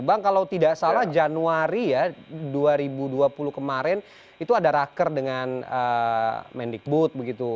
bang kalau tidak salah januari ya dua ribu dua puluh kemarin itu ada raker dengan mendikbud begitu